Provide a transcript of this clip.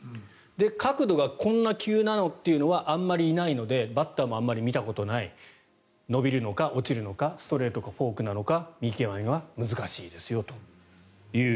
角度がこんなに急なのはあまりいないのでバッターもあまり見たことない伸びるのか落ちるのかストレートなのかフォークなのか見極めは難しいですよと。